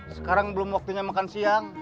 sekarang belum waktunya makan siang